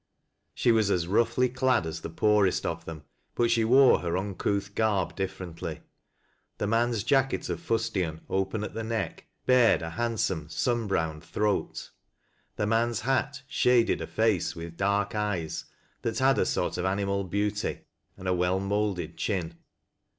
She was as roughly clad as the poorest of them, but she wore her uncouth garb differently. The man's jacket of fustian, open at the neck, bared a hand some sunbrowned throat. The man's hat shaded a face with dark eyes that had a sort of animal beauty, and a well molded chin.